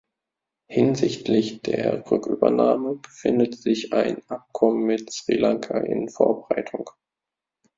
Hinsichtlich der Rückübernahme befindet sich ein Abkommen mit Sri Lanka in Vorbereitung.